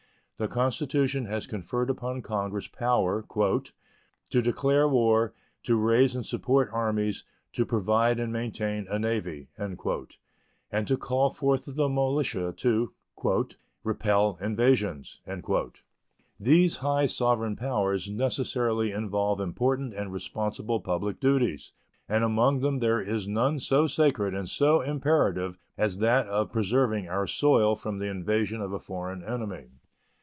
The Constitution has conferred upon Congress power "to declare war," "to raise and support armies," "to provide and maintain a navy," and to call forth the militia to "repel invasions." These high sovereign powers necessarily involve important and responsible public duties, and among them there is none so sacred and so imperative as that of preserving our soil from the invasion of a foreign enemy.